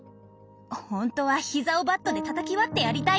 ほんとは膝をバットでたたき割ってやりたいの。